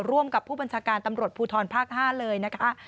ร่วมกับผู้บัญชาการตำรวจภูทรภาค๕เลยนะคะ